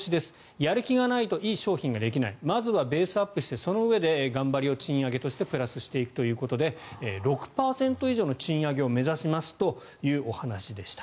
やる気がないといい商品ができないまずはベースアップしてそのうえで頑張りを賃上げとしてプラスしていくということで６％以上の賃上げを目指しますというお話でした。